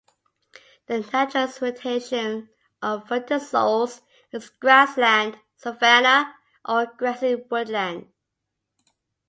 The natural vegetation of vertisols is grassland, savanna, or grassy woodland.